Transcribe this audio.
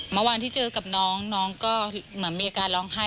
เมื่อวานที่เจอกับน้องน้องก็เหมือนมีอาการร้องไห้